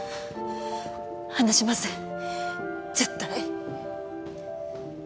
離しません絶対。